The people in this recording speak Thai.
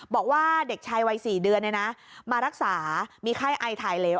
บอกว่าเด็กชายวัย๔เดือนมารักษามีไข้ไอถ่ายเหลว